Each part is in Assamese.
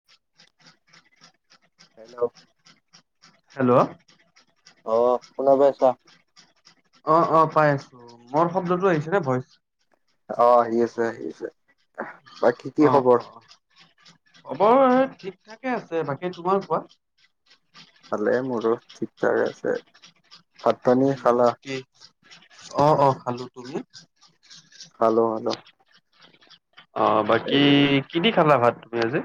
[unintelligible] হেল্ল'। হেল্ল'। অ' শুনা পায় আছা। অ', অ', পাই আছোঁ, মোৰ শব্দটো আহিছে নে ভইচ। অ' আহি আছে আহি আছে, বাকী কি অ খবৰ? অ অ খবৰ ঠিক থাকে আছে বাকী তোমাৰ কোৱা। ভালে মোৰো ঠিক থাকে আছে, ভাত পানী উম খালা? বাকী অ', অ', খালোঁ, তুমি? খালোঁ খালোঁ। অ' বাকী কিদি খালা ভাত তুমি আজি?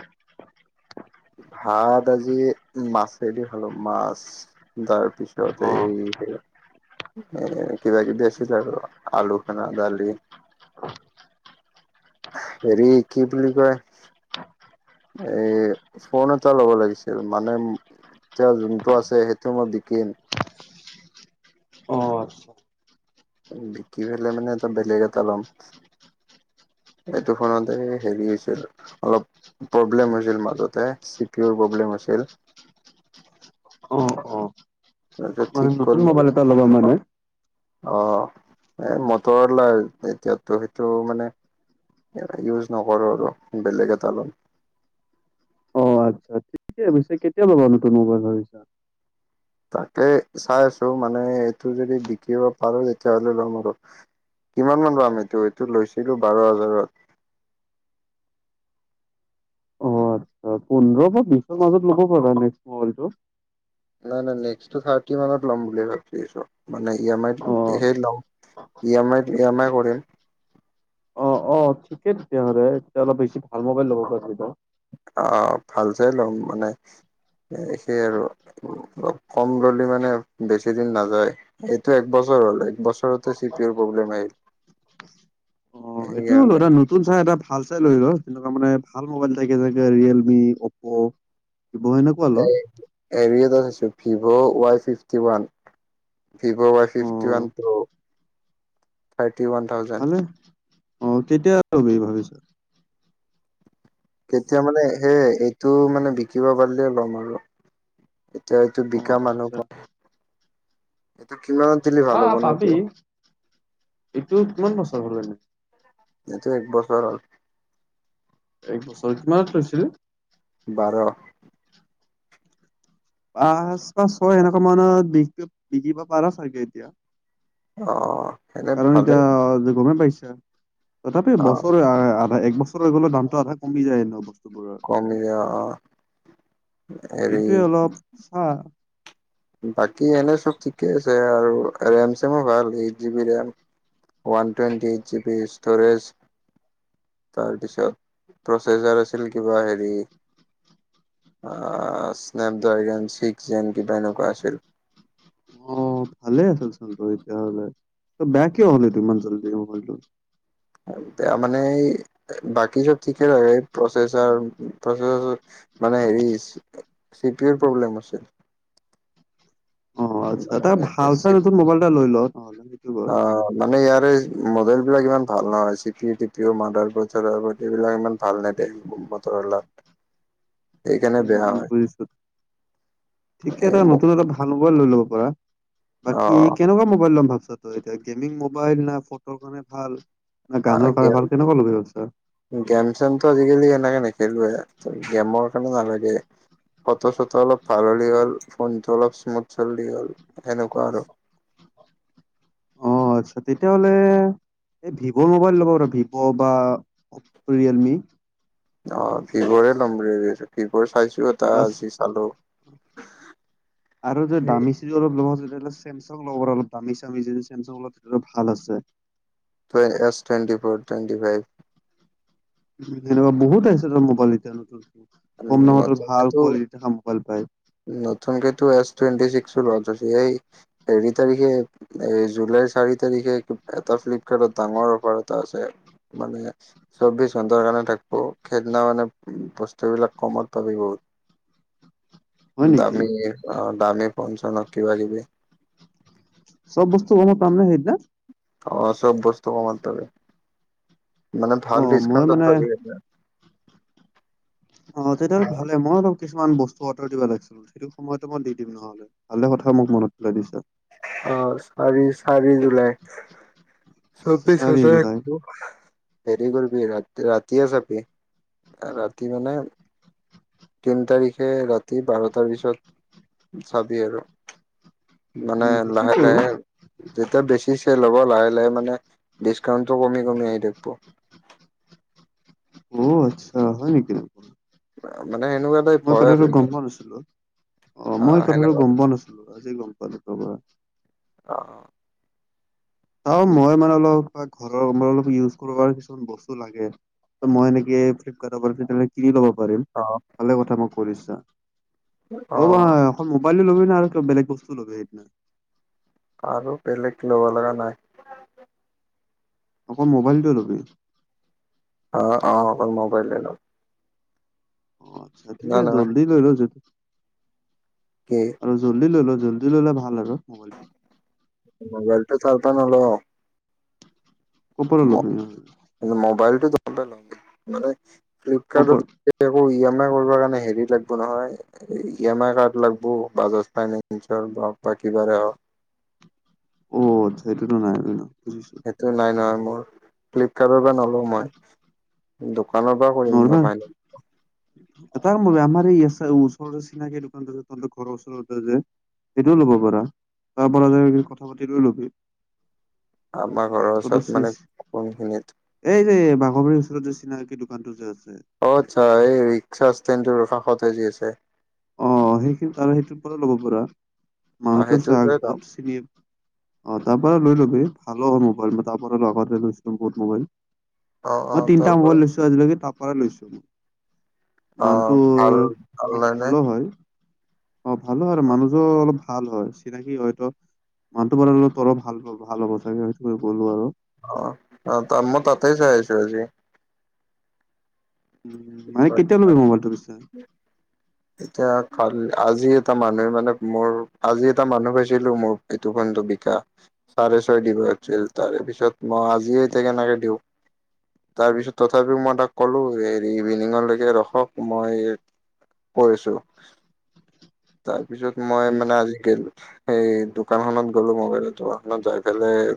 ভাত আজি মাছেদি খালোঁ মাছ। অ তাৰপিছত এই সেয়া। এ, কিবা কিবি আছিল আৰু আলু খানা দালি। হেৰি কি বুলি কয়। এই ফোন এটা ল'ব লাগিছিল মানে এতিয়া যোনটো আছে সেইটো মই বিকিম। অ আচ্ছা বিকি ফেলে মানে এটা বেলেগ এটা ল'ম। এইটো ফোনত সেই হেৰি হৈছিল, অলপ প্ৰব্লেম হৈছিল মাজতে, চিপিৰ প্ৰব্লেম হৈছিল। অ অ তাৰপিছত মানে ঠিক নতুন কৰিলো মোবাইল এটা [unintelligible] অ' এ, মটৰৱালা এতিয়াৰতো সেইটো মানে ইয়াক ইউজ নকৰোঁ আৰু বেলেগ এটা ল'ম। অ' আচ্ছা [unintelligible] [unintelligible] কেতিয়া পিছে কেতিয়া ল'বা নতুন মোবাইল ভাবিছা। তাকে চাই আছোঁ মানে এইটো যদি বিকিব পাৰোঁ তেতিয়াহ'লে ল'ম আৰু। কিমান মান পাম এইটো এইটো লৈছিলোঁ বাৰ হাজাৰত। অ আচ্ছা পোন্ধৰ বা বিছৰ মাজত ল'ব পাৰবা [unintelligible] মোবাইলতো। নাই নাই নেক্সটটো থাৰ্টি মানত ল'ম বুলি ভাবি আছোঁ। মানে ই এম অ আইত সেই ল'ম ই এম আইত ই এম আই কৰিম। অ', অ', ঠিকে হ'লে তেতিয়াহ'লে এতিয়া অলপ বেছি ভাল মোবাইল ল'ব পাৰিবা। অ' ভাল চাই ল'ম মানে সেই আৰু। অলপ কম ল'লি মানে বেছি দিন নাযায়, এইটো একবছৰ হ'ল একবছৰ [unintelligible] চি পিউৰ প্ৰব্লেম আহিল, অ', সেইটো হ'ল এইকাৰণে। এটা নতুন চাই এটা ভাল চাই লৈ ল' তেনেকুৱা মানে ভাল মোবাইল থাকে যেনেকে ৰিয়েলমি, অ'প্পো। [unintelligible] সেনেকুৱা ল'। এই হেৰি এটা চাইছোঁ Vivo Y fifty one. Vivo Y fifty অ', ওৱান প্ৰো। ফাইফটি ওৱান থাও ভালে। অ' কেতিয়া ল'বি ভাবিছোঁ। কেতিয়া মানে সেই এইটো মানে বিকিব পাৰিলেই ল'ম আৰু। এতিয়া এইটো অ', বিকা আচ্ছা মানুহ [unintelligible] এইটো কিমানত দিলি ভাল হা হ'বনো এইটো। পাবি এইটো কিমান বছৰ হ'ল এনেই। এইটো এক বছৰ হ'ল। এক বছৰ, কিমান লৈছিলে? বাৰ। পাঁচ বা ছয় এনেকুৱা মানত বিক বিকিব পাৰোঁ চাগে এতিয়া। অ'। কাৰণ এতিয়া অ' গমে পাইছা, তথাপি অ' বছৰে আধা এক বছ [unintelligible] দামটো আধা কমি যায়। বস্তুবোৰৰ কমি যায় অ', অ', হেৰি এইটোৱে [unintelligible] বাকী এনে চব ঠিকে আছে আৰু ৰেম চেমো ভাল eight GB RAM. One twenty এই জিবি ষ্ট'ৰেজ। তাৰপিছত প্ৰচেছাৰ আছিল কিবা হেৰি। অহ, স্নেপ ড্ৰগন চিক্স জেন কিবা এনেকুৱা আছিল। অ' ভালে আছিল চোন তোৰ এতিয়াহ'লে, তোৰ বেয়া কিয় হ'ল এইটো ইমান জল্দি মোবাইলটো। বোয়া মানে এই বাকী চব ঠিকে থাকে প্ৰচেচাৰ প্ [unintelligible] মানে হেৰি চি পিউৰ প্ৰব্লেম আছিল। অ' আচ্ছা তই ভাল চাই মানে নতুন মোবাইল এটা লৈ ল' নহ'লে সেইটো বাৰু। অ মানে ইয়াৰে মডেল বিলাক ইমান ভাল নহয় C Piu TPU motherboard চাডাৰ বৰ্ড এইবিলাক ইমান ভাল নেদে। মটৰৱালা। [unintelligible] বুজিছোঁ, ঠিকে এটা হয় নতুন এটা ভা ভাল মোবাইল লৈ ল'ব পাৰা, বাকী অ', কেনেকুৱা মোবাইল ল'ম ভাব ত' এতিয়া গেমিং মোবাইল না ফটোৰ কাৰণে ভাল, না গানৰ কাৰণে গেম ভাল কেনেকুৱা ল'বি ভাবছা। গেম চেমটো আজিকালি এনেকে নেখেলোৱে ত' গেমৰ কাৰণে নালাগে। ফটো চটো অলপ ভাল হলে হ'ল, ফোনটো অলপ স্মুথ চললি হ'ল সেনেকুৱা আৰু। অ', আচ্ছা তেতিয়াহ'লে, এই ভিভ'ৰ মোবাইল ল'ব পাৰা ভিভ' বা ৰিয়েলমি। অ' ভিভ'ৰে ল'ম বুলি আছোঁ ভিভ'ৰ চাইছোঁ এটা বাচ আজি চালোঁ। আৰু যে দামি [unintelligible] চেমচং ল'ব পাৰে অলপ দামী চামী যদি চেমচং [unintelligible] ভাল আছে। ধৰ S twenty four twenty five. [unintelligible] সেনেকুৱা বহুত আছে তাৰ মোবাইল এতিয়া নতুন, কম দামত ভাল নতুনকেতো কোৱালিটি থাকা মোবাইল পায়। নতুনকেতো এছ টুৱেণ্টি চিক্স লঞ্চ হৈছে সেই হেৰি তাৰিখে এই জুলাইৰ চাৰি তাৰিখে এটা ফ্লিপকাৰ্টত ডাঙৰ অফাৰ এটা আছে মানে। চৌব্বিছ ঘণ্টাৰ কাৰণে থাকপো, সেইদিনা মানে বস্তুবিলাক কমত পাবি বহুত। হয় নেকি? দামী অ' দামী ফোন চোন হক কিবা কিবি। চব বস্তু [unintelligible] পামনে সিদনা। অ' চব বস্তু কমত পাবি, মানে ভাল অ' মই ডিছকাউণ্টত মানে পাবি সিদিনা। অ' তেতিয়াহ'লে ভালে মই অলপ কিছুমান বস্তু অৰ্ডাৰ দিব লাগিছিল সেইটো সময়তো মই দি দিম নহ'লে ভালে কথা মোক মনত পেলাই দিছা। অ' চাৰি চাৰি জুলাই। চৌবিছ চাৰি হাজাৰ জুলাই [unintelligible] হেৰি কৰিবি ৰাতি ৰাতিয়ে যাবি, ৰাতি মানে তিন তাৰিখে ৰাতি বাৰটাৰ পিছত, চাবি আৰু। মানে উম, সেইটোৱে লাহে কৰো লাহে যেতিয়া বেছি চেল হ'ব লাহে লাহে মানে ডিছকাউন্টটো কমি কমি আহি থাকপো। অ' আচ্ছা হয় নেকি। মানে সেনেকুৱ মই কথাতো গম পোৱা নাছিলোঁ, অ' মই কথাটো গম পোৱা নাছিলোঁ আজি গম পালোঁ [unintelligible] [unintelligible] অ' মই মানে অলপ বা ঘৰৰ মই অলপ ইউজ কৰোঁ কাৰণে কিছুমান বস্তু লাগে। [unintelligible] মই এনেকে ফ্লিপকাৰ্টৰ [unintelligible] ল'ব পাৰিম। অ'। [unintelligible] কথা মই কৈ দিছো অ হা, [unintelligible] মোবাইলো ল'বি না আৰু বেলেগ বস্তু ল'বি সেইদিনা। আৰু বেলেগ ল'বা লগা নাই। অকল মোবাইলটোৱে ল'বি। অ', অ', মোবাইলে ল'ম। নাই [unintelligible] নাই জল্দি লৈ ল' যদ কি? আৰু জল্দি লৈ ল, জল্দি ল'লে ভাল ন মোবাইলটো। মোবাইলটো [unintelligible] নলও আৰু। [inaudible] মোবাইলটো [unintelligible] মানে ক'ৰ ফ্লিপকাৰ্ডৰ একো ই এম আই কৰিব কাৰণে হেৰি লাগিব নহয় ই এম আই কাৰ্ড লাগব বাজাজ ফাইনেন্সৰ হওঁক বা কিবাৰে হওঁক। অ', আচ্ছা সেইটোতো নাই ন' বুজিছো। সেইতো নাই নহয় মোৰ, ফ্লিপকাৰ্টৰ পৰা নলওঁ মই, দোকানৰ পৰা কৰিম মই নৰ্মেল ফাইনেল। [inaudible] এটা কাম কৰিবি, আমাৰ এই ওচৰৰে চিনাকি দোকান যে তহঁতৰ ঘৰৰ ওচৰতে যে সেইটোও ল'ব পাৰা, তাৰ পৰা যাবি কথা পাতি লৈ ল'বি। আমাৰ ঘৰৰ তহঁতৰ ওচৰত চিচ মানে, কোনখিনিত? এই যে বাঘৰবাৰীৰ ওচৰত যে চিনাকি দোকান টো যে আছে। অ', আচ্ছা এই ৰিক্সা ষ্টেণ্ড ৰ কাষতেই যে আছে। অ', সেইখিনি আৰু সেইটোৰ [unintelligible] ল'ব পৰা, মানুহ অ টো চা সেইটোতে যাম বহুত চিনি অ', তাৰ পৰা লৈ ল'বি ভালো হ'ব পাৰে, মই তাৰ পৰা লওঁ আগতে লৈছিলো বহুত মোবাইল। অ অ মই তিনিটা তাৰপৰা মোবাইল লৈছোঁ আজিলৈকে, তাৰ পৰাই লৈছোঁ। অ মানুহটো ভাল ভাল [unintelligible] লাইনে ভালো হয়। অ', ভালো হয়, মানুহযোৰ অলপ ভাল হয়, চিনাকি হয়তো মানুটো [unintelligible] ভাল, ভাল হ'ব চাগে সেইটোকাৰণে গ'লো আৰু। অ', অ', মই তাতে চাই আহিছোঁ আজি। উম, মানে কেতিয়া ল'বি মোবাইলটো পিছে? এতিয়া ভাল আজি এটা মানুহে মানে মোৰ আজি এটা মানুহ পাইছিলোঁ মোৰ। এইটো [unintelligible] বিকাশ। চাৰে ছয় দিব দিছিল তাৰেপিছত মই আজিয়ে এতিয়া কেনেকে দিওঁ! তাৰপিছত তথাপিও মই তাক ক'লো এ ইভিনিংলৈকে ৰখক মই কৈ আছোঁ। তাৰপিছত মই মানে আজি [unintelligible] সেই দোকানখননত গ'লো মোবাইলৰ দোকানখনত যায় পেলাই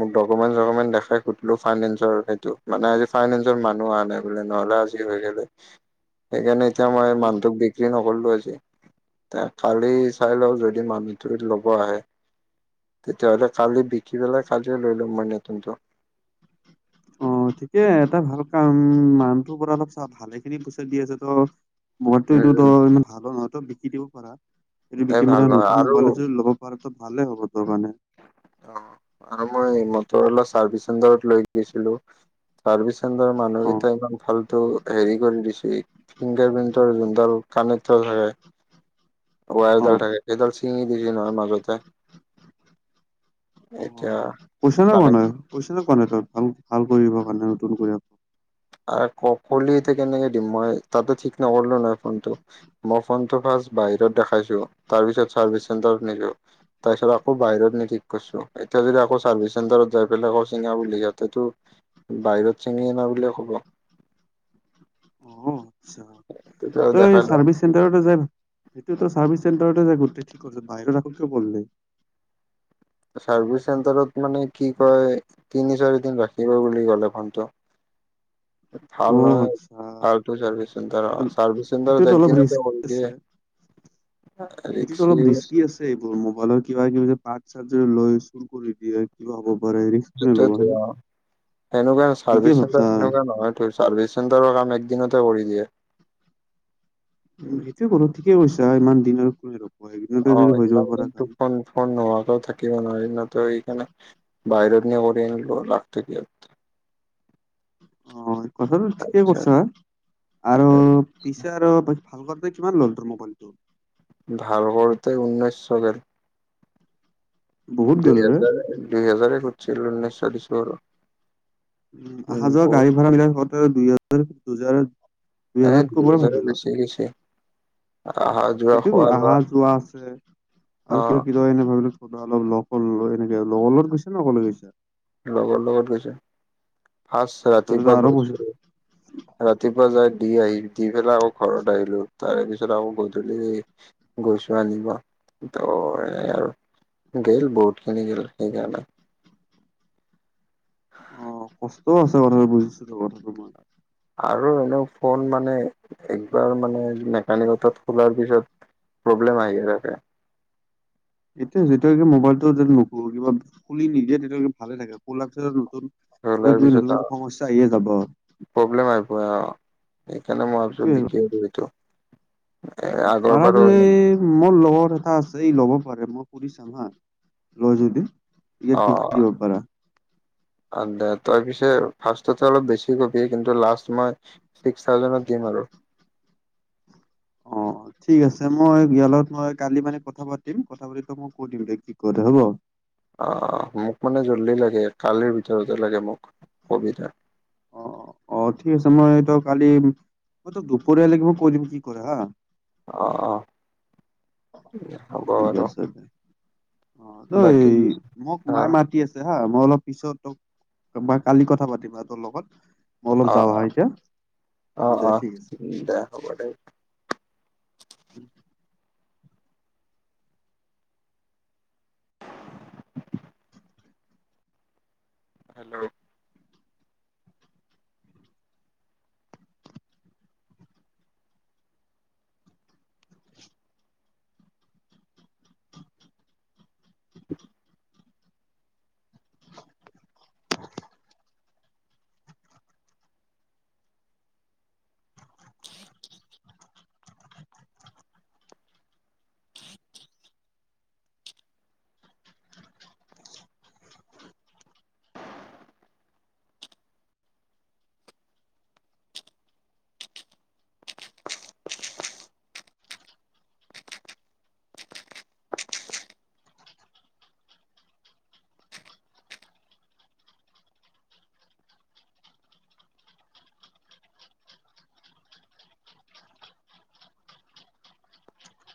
মোৰ ডকুমেণ্ট চকুমেণ্ট দেখাই সুধিলো, ফাইনেঞ্চৰ সেইটো মানে আজি ফাইনেঞ্চৰ মানুহ অহা নাই। নহ'লে আজি হৈ গ'লে হয়, সেইকাৰণে এতিয়া মই উম, মানুটোক বিক্ৰী নকৰিলো আজি। এ, কালি চাই লওঁ যদি মানুহটো ল'ব আহে তেতিয়াহ'লে কালি বিক্ৰী পেলাই, কালিয়ে লৈ ল'ম মই নতুনটো। অ', ঠিকে এটা ভাল কাম মানুহটোৰ পৰা অলপ চলপ ভালেখিনি পইচা দি আছে ত' মোবাইলতটো উম এইটো উম তই [unintelligible] ভাল হাতত বিকি দিব পাৰা, এইটো এই বিকি ভাল মানে নহয় নতুন আৰু মোবাইল যদি ল'ব [unintelligible] ভালে হ'ব তোৰ কাৰণে। অ', আৰু মই মটৰ অলা চাৰ্ভিচ চেণ্টাৰত লৈ গৈছিলোঁ। চাৰ্ভিচ চেণ্টাৰৰ অ', মানুহকেইটা ইমান ভালতটো হেৰি কৰি দিছে ফিংগাৰ প্ৰিণ্টৰ যোনডাল কানেক্ট [unintelligible] ৱাৰ এডাল অ'। থাকে, সেইডাল ছিঙি [unintelligible] নহয় মাজতে। এতিয়া কানেক্ট [inaudible] আৰে [unintelligible] এতিয়া কেনেকে দিম মই, তাতো ঠিক নকৰিলো নহয় ফোনটো। মই ফোনটো ফাষ্ট বাহিৰত দেখাইছোঁ, তাৰপিছত চাৰ্ভিচ চেণ্টাৰত নিছোঁ। তাৰপিছত আকৌ বাহিৰত নি ঠিক কৰিছোঁ, এতিয়া যদি আকৌ চাৰ্ভিচ চেণ্টাৰত যাই পেলাই আকৌ চিঙা বুলি সিহঁতেতো বাহিৰত চিঙি অনা বুলিয়ে ক'ব। তেতিয়া দেখাই অই, লাভ চাৰ্ভিচ [inaudible] চাৰ্ভিচ চেণ্টাৰত মানে কি কয়, তিনি চাৰিদিন ৰাখিব বুলি ক'লে ফোনটো। ভাল অ', নহয় আচ্ছা। ভাল চাৰ্ভি চেণ্টাৰ, চাৰ্ভিচ সেইটোত চেণ্টাৰত অলপ একদিনতে ৰিস্ক কৰি আছে দিয়ে। সেইটোত ৰিক্সি অলপ ৰিস্কি আছে। এইবোৰ মোবাইলৰ কিবা, কিবি যে প চাৰ্জ লৈ চুৰ কৰি দিয়ে কিবা হব পাৰে হেৰি সেইটোয়তো অ, সনেকুৱা ঠিকে চাৰ্ভিচ চেণ্টাৰ ভাবছা। তেনেকুৱা নহয়। ত, চাৰ্ভিচ চেটাৰৰ কাম একদিনতে কৰি দিয়ে। উ, সেইটোয়ে কৰো ঠিকে কৈছা ইমান দিন আৰু কোনে ৰ'ব সেইদিনতে যদি হৈ যাব পৰা কাম। নোহাকও থাকিব ন এই নতো এইখে বাহিৰত ন কৰি আনিলো লাগ্ত কি অ, কথাটো ঠিকেই কছ হ আৰু। পিছে আৰু ভাল ন কিমান ল'ল ত মোবাইলটো। ভাল কৰতে ঊনৈছশকেল বহুত দুই গ'ল ৰে। হাজাৰ, দুই হাজাৰ ঘছিল উঊনৈছ চল্লিছৰ উ, অহা যোৱা গাড়ী ভাড়াবিলাক দুই হজাৰ, দুহেজাৰ এই দু হজাৰ বেছি গছি। সটোয় কলো আহা, যোৱা আছে আৰু অ ক এনে ভাবিলো অলপ লগ এনেকে লগ, লগত গৈছে লগলে গৈছে। লগৰ লগত গৈছো ফ অ তাতেতো ৰাতিপুৱা আৰু পইচা গৈছো। ৰাতিপুৱা যাই দি আহি দি পেলাই আকৌ ঘৰত আহিলো তাৰে পিছত আকৌ গধূলি গৈছো আনিব ত' এনে আৰু। গেল ব'ট কি নি গ'ল সেই গণ ন অ, কষ্টও আছে কথাটো বুজিছো কথাটো মই আৰু এনে ফোন মানে একবাৰ মানে মেকানিকত খোলাৰ পিছত প্ৰব্লেম আহোকে এতিয়া যেতিয়কে মোবাইলটো য ন কিবা খুলি নিদিয়ে তেতিয়ে ভালে থাকে কোলা নতুন কিবা, খোলাৰ কিবা নতুন, পিছত নতুন সমস্যা আহিয়ে যাব। প্ৰব্লেম আহ, প, আহ, সেইকাৰণে মই ভাবিছো এইটোৱে কথা। বিক্ৰী সো [inaudible] মোৰ লগৰ এটা আছে এই ল'ব পাৰে মই ফুৰি চাম হা লৈ যদি এিকাত পিকি দিব পাৰা। দো তই পিছে ফাৰ্ষ্টতে অলপ বেছি কবি কিন্তু লাষ্ট মই ছিক্সাজেডতফ দিমাৰ আৰু। অ, ঠিক আছে মই ইয়লত মই কালি মানে কথা পাতিম। মই ক দিম দে কি কৰে হ'ব। অ, মোক মানে জল্দি লাগে কালিৰ ভিতৰতে লাগে মোক কবিতা অ', অ', ঠিক আছে মই এইটো কালি মই ত দুপৰীয়ালোগ মই কৈ দিমি কি কৰে হা অ', অ', ঠিক হ'ব। আছে দে অ, তই বাকী এই মোক অ মায়ে মাতি আছে। হা মই অলপ পিছত তোকই কালি কথা পাতিম হা তোৰ লগত। অলপ অ যাৱা হয় এতিয়া দে ঠিক আছে। হ'ব'দে। হেল্ল'?